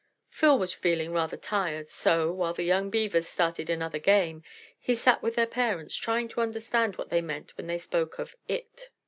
Phil was feeling rather tired, so, while the young Beavers started another game, he sat with their parents, trying to understand what they meant when they spoke of "IT."